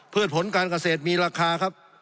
ผลการเกษตรมีราคาครับ